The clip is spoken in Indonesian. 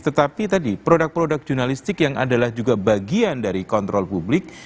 tetapi tadi produk produk jurnalistik yang adalah juga bagian dari kontrol publik